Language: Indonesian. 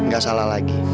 gak salah lagi